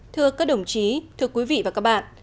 thưa các đồng chí thưa quý vị và các bạn